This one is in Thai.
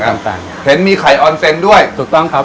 คว่องคลุงต่างต่างเห็นมีไข่ออนเซ็นด้วยถูกต้องครับ